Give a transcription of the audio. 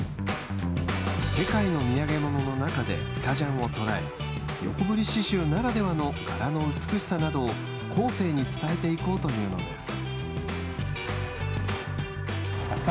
世界の土産物の中でスカジャンを捉え横振り刺しゅうならではの柄の美しさなどを後世に伝えていこうというのです。